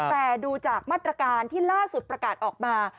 แต่ดูจากมาตรการที่ล่าสุดประกาศออกมา